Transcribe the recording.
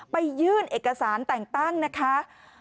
ยื่นเอกสารแต่งตั้งนะคะ